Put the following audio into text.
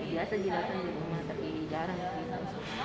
biasa jatuh di rumah tapi jarang